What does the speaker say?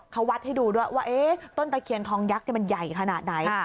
เขาวัดให้ดูด้วยว่าต้นตะเคียนทองยักษ์มันใหญ่ขนาดไหน